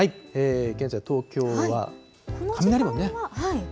現在、東京は、雷もね。